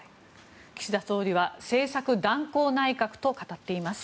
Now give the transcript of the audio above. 岸田総理は政策断行内閣と語っています。